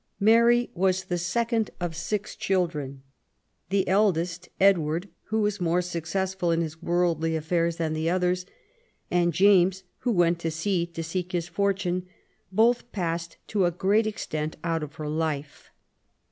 Mary was the second of six children. The eldest, Edward, who was more successful in his worldly affairs than the others, and James, who went to sea to seek his fortunes, both passed to a great extent out of her life.